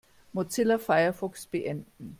Mozilla Firefox beenden.